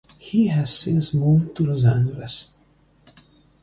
He has since moved to Los Angeles.